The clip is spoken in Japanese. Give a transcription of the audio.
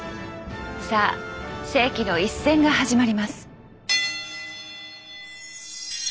さあ世紀の一戦が始まります！